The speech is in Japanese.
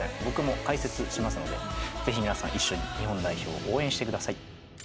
僕も解説しますのでぜひ皆さん一緒に日本代表を応援してください。